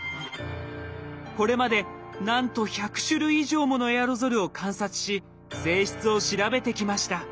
これまでなんと１００種類以上ものエアロゾルを観察し性質を調べてきました。